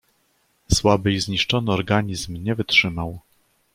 Słaby i zniszczony organizm nie wytrzymał.